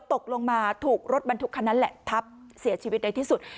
ตกลงมาถูกรถบรรทุกคันนั้นแหละทับเสียชีวิตในที่สุด